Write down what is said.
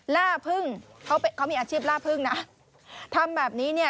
ล่าพึ่งเขาเขามีอาชีพล่าพึ่งนะทำแบบนี้เนี่ย